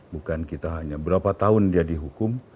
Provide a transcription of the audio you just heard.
bukan kita hanya berapa tahun dia dihukum